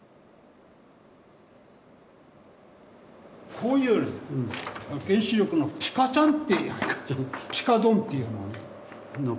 こういう原子力のピカちゃんっていうピカドンっていうのをね。